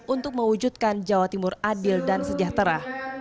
untuk mewujudkan jawa timur adil dan sejahtera